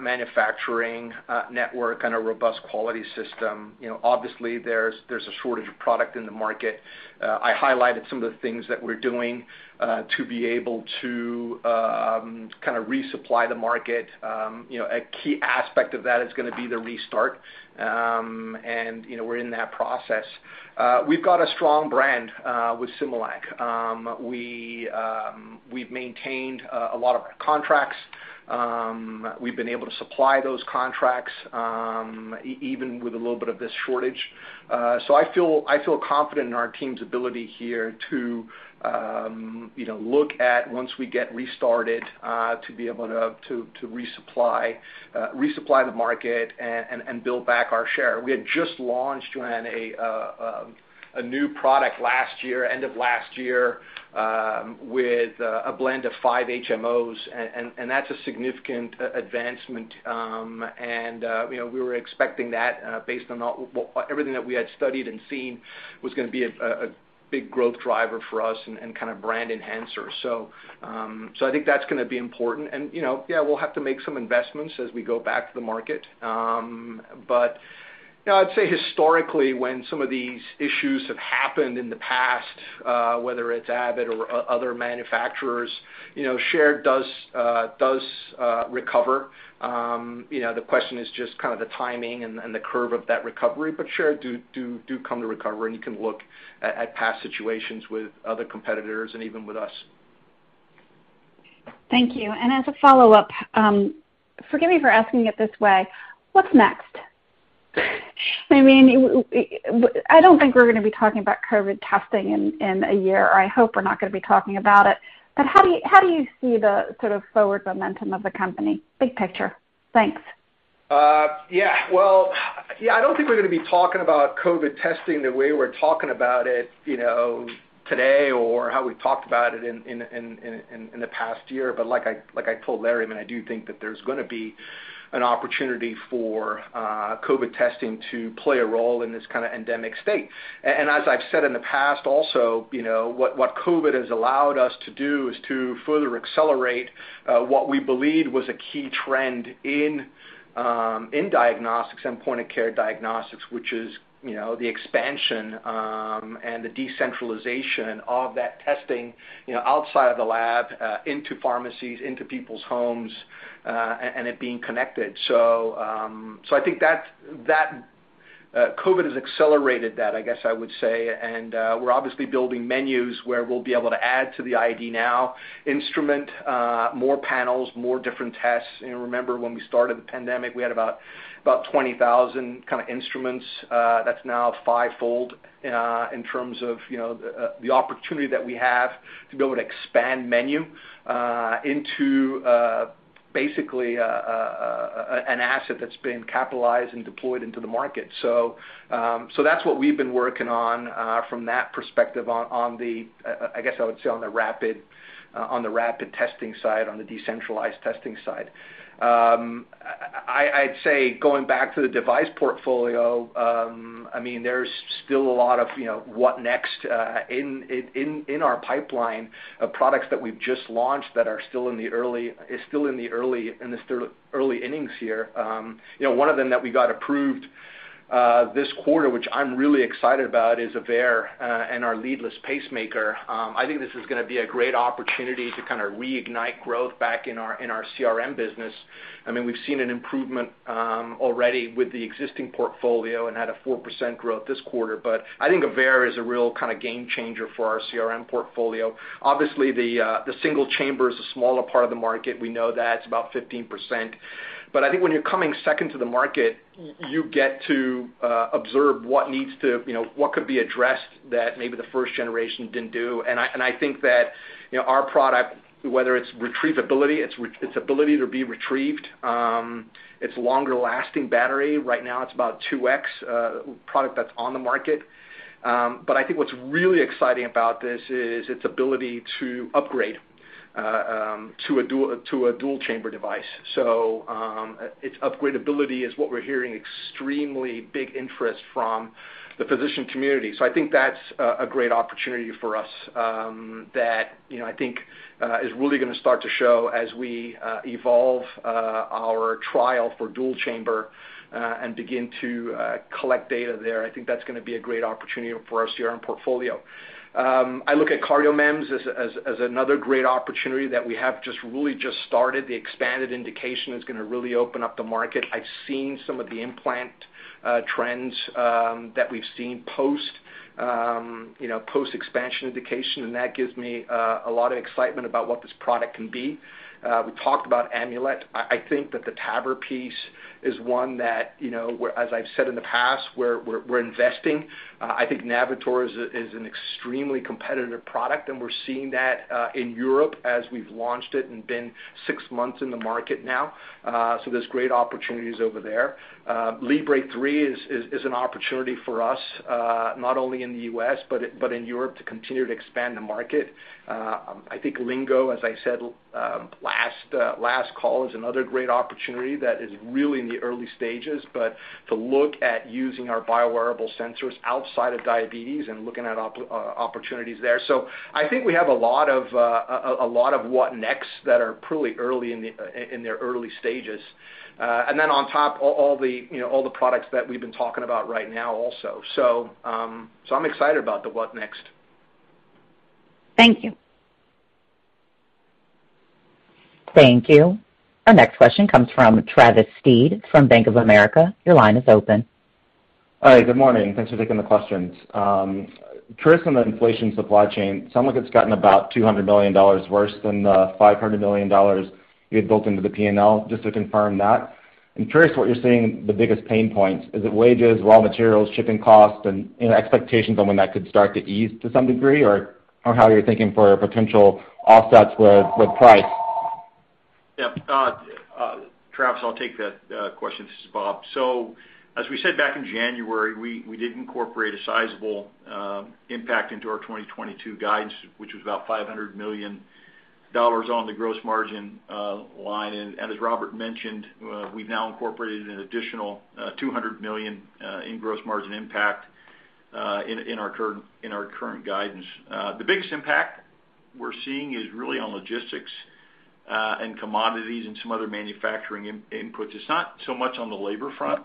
manufacturing network and a robust quality system. You know, obviously, there's a shortage of product in the market. I highlighted some of the things that we're doing to be able to kind of resupply the market. You know, a key aspect of that is gonna be the restart, and you know, we're in that process. We've got a strong brand with Similac. We've maintained a lot of our contracts. We've been able to supply those contracts, even with a little bit of this shortage. I feel confident in our team's ability here to, you know, look at once we get restarted, to be able to resupply the market and build back our share. We had just launched, Joanne, a new product last year, end of last year, with a blend of five HMOs, and that's a significant advancement. You know, we were expecting that, based on all, well, everything that we had studied and seen was gonna be a big growth driver for us and kind of brand enhancer. I think that's gonna be important. You know, yeah, we'll have to make some investments as we go back to the market. You know, I'd say historically, when some of these issues have happened in the past, whether it's Abbott or other manufacturers, you know, share does recover. You know, the question is just kind of the timing and the curve of that recovery. Share does come to recovery, and you can look at past situations with other competitors and even with us.
Thank you. As a follow-up, forgive me for asking it this way, what's next? I mean, I don't think we're gonna be talking about COVID testing in a year, or I hope we're not gonna be talking about it. How do you see the sort of forward momentum of the company? Big picture. Thanks.
Yeah. Well, yeah, I don't think we're gonna be talking about COVID testing the way we're talking about it, you know, today or how we talked about it in the past year. Like I told Larry, I mean, I do think that there's gonna be an opportunity for COVID testing to play a role in this kind of endemic state. As I've said in the past also, you know, what COVID has allowed us to do is to further accelerate what we believe was a key trend in Diagnostics and point-of-care diagnostics, which is, you know, the expansion and the decentralization of that testing, you know, outside of the lab into pharmacies, into people's homes and it being connected. I think that COVID has accelerated that, I guess I would say. We're obviously building menus where we'll be able to add to the ID NOW instrument, more panels, more different tests. You know, remember when we started the pandemic, we had about 20,000 kind of instruments. That's now fivefold in terms of you know the opportunity that we have to be able to expand menu into basically an asset that's been capitalized and deployed into the market. That's what we've been working on from that perspective on the I guess I would say on the rapid testing side, on the decentralized testing side. I'd say going back to the device portfolio, I mean, there's still a lot of, you know, what next in our pipeline of products that we've just launched that are still in the early innings here. You know, one of them that we got approved this quarter, which I'm really excited about, is AVEIR and our leadless pacemaker. I think this is gonna be a great opportunity to kind of reignite growth back in our CRM business. I mean, we've seen an improvement already with the existing portfolio and had a 4% growth this quarter. I think AVEIR is a real kind of game changer for our CRM portfolio. Obviously, the single chamber is a smaller part of the market. We know that. It's about 15%. I think when you're coming second to the market, you get to observe what could be addressed that maybe the first generation didn't do. I think that our product, whether it's retrievability, its ability to be retrieved, its longer-lasting battery. Right now it's about 2x product that's on the market. I think what's really exciting about this is its ability to upgrade to a dual chamber device. Its upgradability is what we're hearing extremely big interest from the physician community. I think that's a great opportunity for us that you know I think is really gonna start to show as we evolve our trial for dual chamber and begin to collect data there. I think that's gonna be a great opportunity for our CRM portfolio. I look at CardioMEMS as another great opportunity that we have just really started. The expanded indication is gonna really open up the market. I've seen some of the implant trends that we've seen post you know post-expansion indication, and that gives me a lot of excitement about what this product can be. We talked about Amulet. I think that the TAVR piece is one that you know where as I've said in the past we're investing. I think Navitor is an extremely competitive product, and we're seeing that in Europe as we've launched it and been six months in the market now. So there's great opportunities over there. Libre 3 is an opportunity for us, not only in the U.S., but in Europe to continue to expand the market. I think Lingo, as I said, last call, is another great opportunity that is really in the early stages, but to look at using our biowearable sensors outside of diabetes and looking at opportunities there. I think we have a lot of what nexts that are pretty early in their early stages. On top, all the, you know, all the products that we've been talking about right now also. I'm excited about the what next.
Thank you.
Thank you. Our next question comes from Travis Steed from Bank of America. Your line is open.
Hi, good morning. Thanks for taking the questions. First on the inflation, supply chain, it sounds like it's gotten about $200 million worse than the $500 million you had built into the P&L, just to confirm that. I'm curious what you're seeing the biggest pain points. Is it wages, raw materials, shipping costs, and, you know, expectations on when that could start to ease to some degree? Or how you're thinking for potential offsets with price?
Yeah. Travis, I'll take that question. This is Bob. As we said back in January, we did incorporate a sizable impact into our 2022 guidance, which was about $500 million on the gross margin line. As Robert mentioned, we've now incorporated an additional $200 million in gross margin impact in our current guidance. The biggest impact we're seeing is really on logistics and commodities and some other manufacturing inputs. It's not so much on the labor front.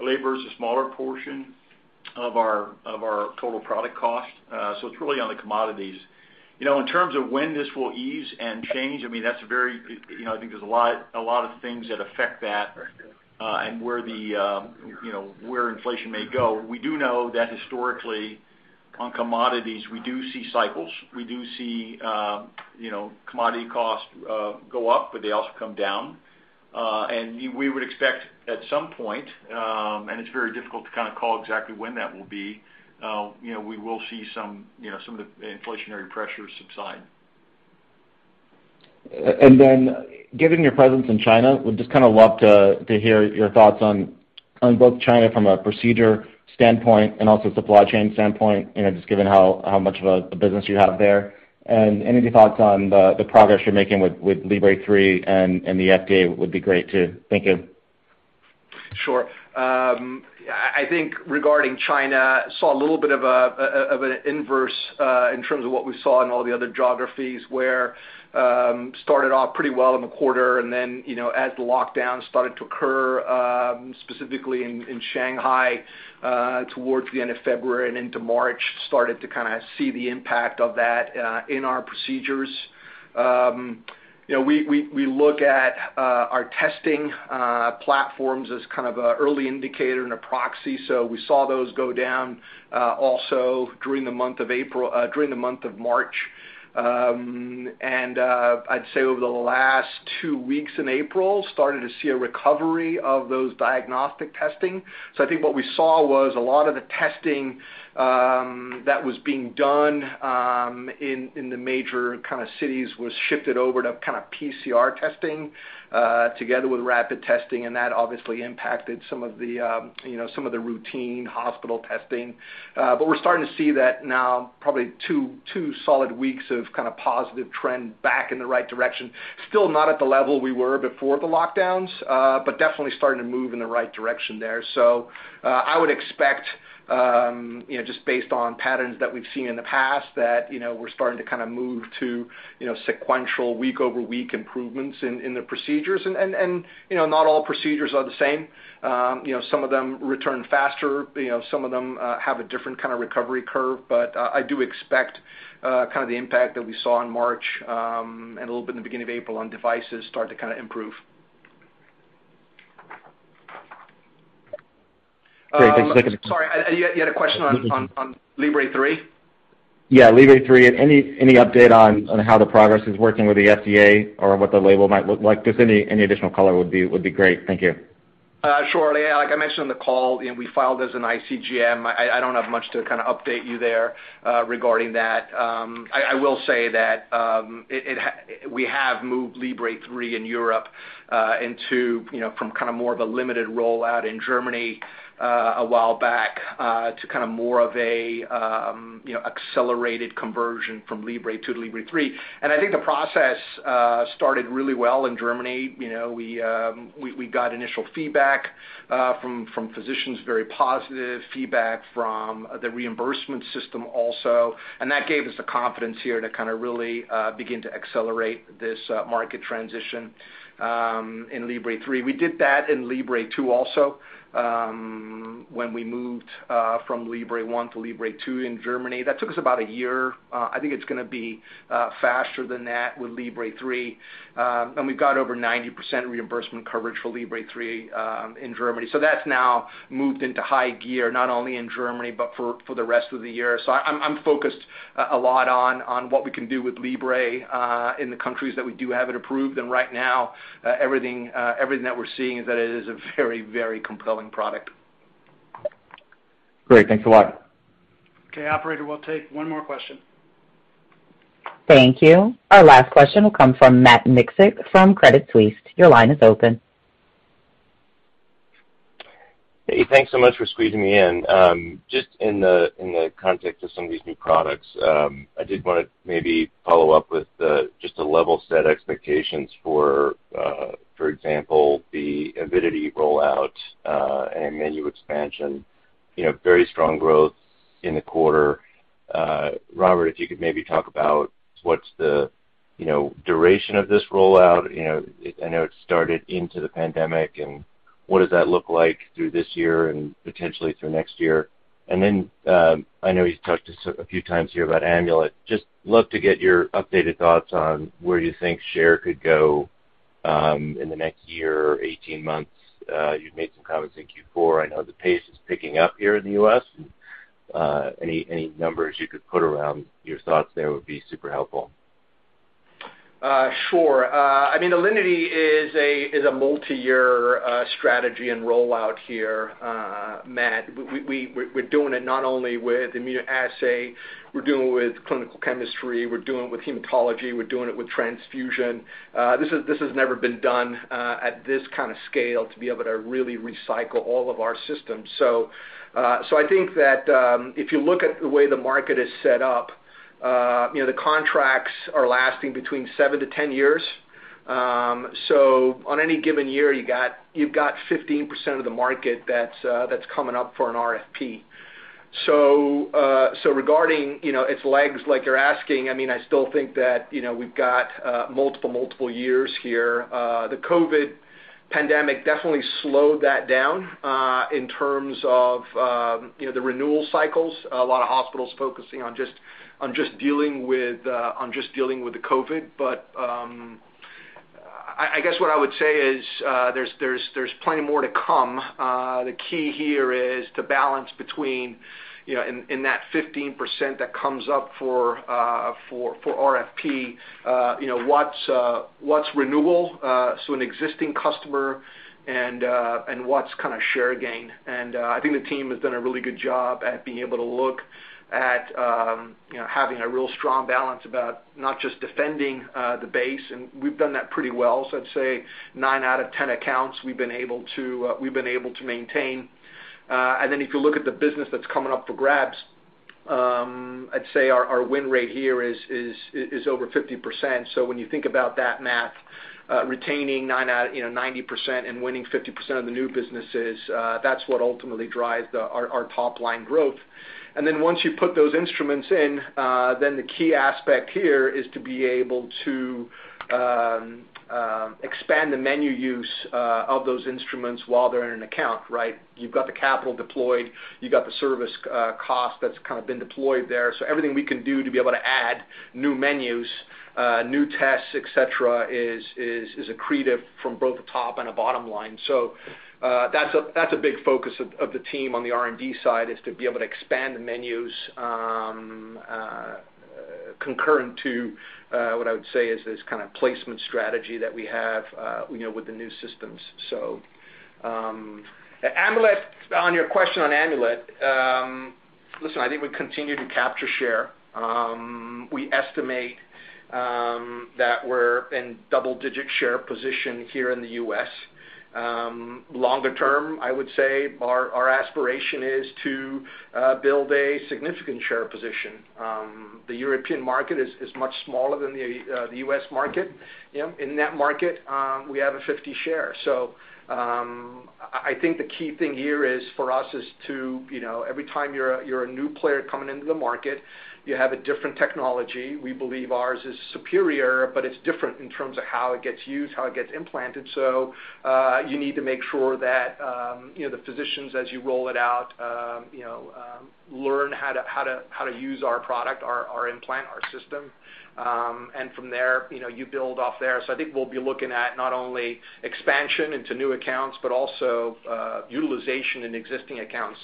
Labor is a smaller portion of our total product cost, so it's really on the commodities. You know, in terms of when this will ease and change, I mean, you know, I think there's a lot of things that affect that, and where inflation may go. We do know that historically, on commodities, we do see cycles. We do see, you know, commodity costs go up, but they also come down. We would expect at some point, and it's very difficult to kind of call exactly when that will be, you know, we will see some of the inflationary pressures subside.
Then given your presence in China, would just kind of love to hear your thoughts on both China from a procedure standpoint and also supply chain standpoint, you know, just given how much of a business you have there. Any of your thoughts on the progress you're making with Libre 3 and the FDA would be great too. Thank you.
Sure. I think regarding China, I saw a little bit of an inverse in terms of what we saw in all the other geographies where we started off pretty well in the quarter. You know, as the lockdown started to occur specifically in Shanghai towards the end of February and into March, we started to kinda see the impact of that in our procedures. You know, we look at our testing platforms as kind of an early indicator and a proxy. We saw those go down also during the month of March. I'd say over the last two weeks in April, we started to see a recovery of those diagnostic testing. I think what we saw was a lot of the testing that was being done in the major kind of cities was shifted over to kind of PCR testing together with rapid testing, and that obviously impacted some of the you know some of the routine hospital testing. We're starting to see that now probably two solid weeks of kind of positive trend back in the right direction. Still not at the level we were before the lockdowns, but definitely starting to move in the right direction there. I would expect you know just based on patterns that we've seen in the past, that you know we're starting to kind of move to you know sequential week over week improvements in the procedures. You know not all procedures are the same. You know, some of them return faster, you know, some of them have a different kind of recovery curve. I do expect kind of the impact that we saw in March and a little bit in the beginning of April on devices to start to kinda improve.
Great. Thanks.
Sorry. You had a question on Libre 3?
Yeah, Libre 3. Any update on how the process is working with the FDA or what the label might look like? Just any additional color would be great. Thank you.
Sure. Like I mentioned in the call, you know, we filed as an ICGM. I don't have much to kind of update you there, regarding that. I will say that we have moved Libre 3 in Europe into, you know, from kind of more of a limited rollout in Germany a while back to kind of more of a, you know, accelerated conversion from Libre 2 to Libre 3. I think the process started really well in Germany. You know, we got initial feedback from physicians, very positive feedback from the reimbursement system also. That gave us the confidence here to kind of really begin to accelerate this market transition in Libre 3. We did that in Libre 2 also, when we moved from Libre 1 to Libre 2 in Germany. That took us about a year. I think it's gonna be faster than that with Libre 3. We've got over 90% reimbursement coverage for Libre 3 in Germany. That's now moved into high gear, not only in Germany, but for the rest of the year. I'm focused a lot on what we can do with Libre in the countries that we do have it approved. Right now, everything that we're seeing is that it is a very, very compelling product.
Great. Thanks a lot.
Okay, operator, we'll take one more question.
Thank you. Our last question will come from Matt Miksic from Credit Suisse. Your line is open.
Hey, thanks so much for squeezing me in. Just in the context of some of these new products, I did wanna maybe follow up with just to level set expectations for example, the Alinity rollout and menu expansion. You know, very strong growth in the quarter. Robert, if you could maybe talk about what's the duration of this rollout. You know, I know it started into the pandemic, and what does that look like through this year and potentially through next year? And then, I know you've talked to us a few times here about Amulet. Just love to get your updated thoughts on where you think share could go in the next year or 18 months. You've made some comments in Q4. I know the pace is picking up here in the U.S. Any numbers you could put around your thoughts there would be super helpful.
Sure. I mean, Alinity is a multi-year strategy and rollout here, Matt. We're doing it not only with immunoassay, we're doing it with clinical chemistry, we're doing it with hematology, we're doing it with transfusion. This has never been done at this kind of scale, to be able to really recycle all of our systems. I think that if you look at the way the market is set up, you know, the contracts are lasting between seven to 10 years. On any given year, you've got 15% of the market that's coming up for an RFP. Regarding its legs, like you're asking, I mean, I still think that, you know, we've got multiple years here. The COVID pandemic definitely slowed that down, in terms of, you know, the renewal cycles. A lot of hospitals focusing on just dealing with the COVID. I guess what I would say is, there's plenty more to come. The key here is the balance between, you know, in that 15% that comes up for RFP, you know, what's renewal, so an existing customer and what's kind of share gain. I think the team has done a really good job at being able to look at, you know, having a real strong balance about not just defending the base, and we've done that pretty well. I'd say nine out of 10 accounts we've been able to maintain. If you look at the business that's coming up for grabs, I'd say our win rate here is over 50%. When you think about that math, retaining 90% and winning 50% of the new businesses, that's what ultimately drives our top line growth. Once you put those instruments in, the key aspect here is to be able to expand the menu use of those instruments while they're in an account, right? You've got the capital deployed, you've got the service cost that's kind of been deployed there. Everything we can do to be able to add new menus, new tests, et cetera, is accretive from both the top and the bottom line. That's a big focus of the team on the R&D side is to be able to expand the menus, concurrent to what I would say is this kind of placement strategy that we have, you know, with the new systems. Amulet, on your question on Amulet, listen, I think we continue to capture share. We estimate that we're in double-digit share position here in the U.S. Longer term, I would say our aspiration is to build a significant share position. The European market is much smaller than the U.S. market. You know, in that market, we have a 50% share. I think the key thing here is for us to, you know, every time you're a new player coming into the market, you have a different technology. We believe ours is superior, but it's different in terms of how it gets used, how it gets implanted. You need to make sure that, you know, the physicians, as you roll it out, you know, learn how to use our product, our implant, our system. From there, you know, you build off there. I think we'll be looking at not only expansion into new accounts, but also utilization in existing accounts.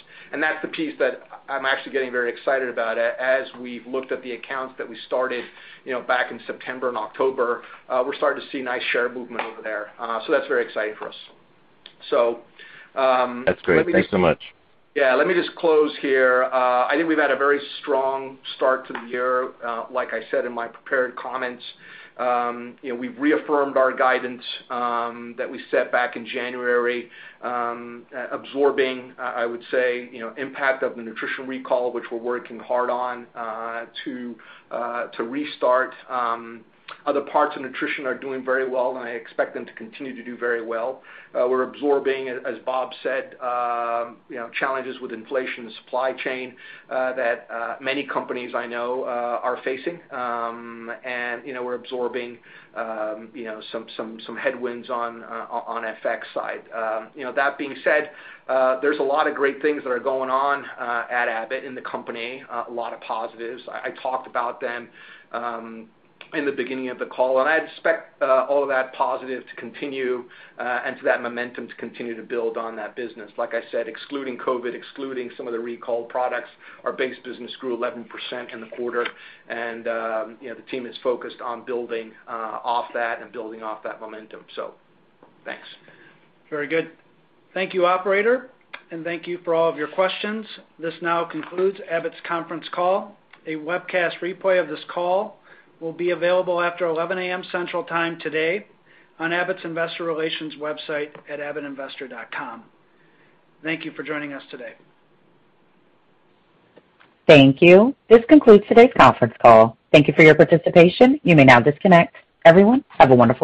That's the piece that I'm actually getting very excited about. As we've looked at the accounts that we started, you know, back in September and October, we're starting to see nice share movement over there. That's very exciting for us.
That's great. Thanks so much.
Yeah. Let me just close here. I think we've had a very strong start to the year. Like I said in my prepared comments, you know, we've reaffirmed our guidance that we set back in January, absorbing, I would say, you know, impact of the Nutrition recall, which we're working hard on to restart. Other parts of Nutrition are doing very well, and I expect them to continue to do very well. We're absorbing, as Bob said, you know, challenges with inflation and supply chain that many companies I know are facing. You know, we're absorbing, you know, some headwinds on FX side. You know, that being said, there's a lot of great things that are going on at Abbott in the company, a lot of positives. I talked about them in the beginning of the call, and I expect all of that positive to continue and for that momentum to continue to build on that business. Like I said, excluding COVID, excluding some of the recalled products, our base business grew 11% in the quarter. You know, the team is focused on building off that and building off that momentum. Thanks.
Very good. Thank you, operator, and thank you for all of your questions. This now concludes Abbott's conference call. A webcast replay of this call will be available after 11:00 A.M. Central Time today on Abbott's investor relations website at abbottinvestor.com. Thank you for joining us today.
Thank you. This concludes today's conference call. Thank you for your participation. You may now disconnect. Everyone, have a wonderful day.